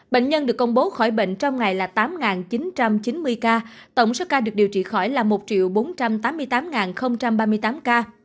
bệnh nhân được công bố khỏi bệnh trong ngày là tám chín trăm chín mươi ca tổng số ca được điều trị khỏi là một bốn trăm tám mươi tám ba mươi tám ca